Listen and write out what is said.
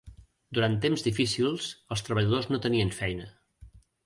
Durant temps difícils, els treballadors no tenien feina.